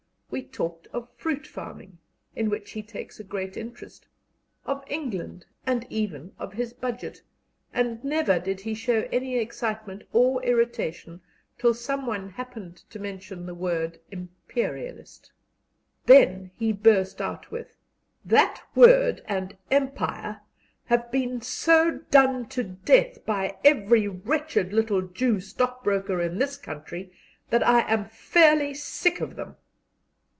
We talked of fruit farming, in which he takes a great interest, of England, and even of his Budget, and never did he show any excitement or irritation till someone happened to mention the word "Imperialist." Then he burst out with, "That word and 'Empire' have been so done to death by every wretched little Jew stockbroker in this country that I am fairly sick of them."